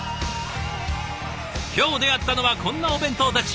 今日出会ったのはこんなお弁当たち。